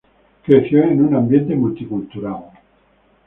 Creció en un ambiente multicultural.